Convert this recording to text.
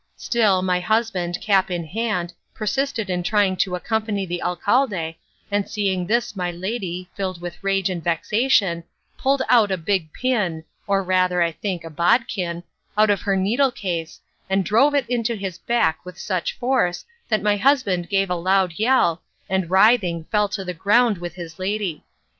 Still my husband, cap in hand, persisted in trying to accompany the alcalde, and seeing this my lady, filled with rage and vexation, pulled out a big pin, or, I rather think, a bodkin, out of her needle case and drove it into his back with such force that my husband gave a loud yell, and writhing fell to the ground with his lady.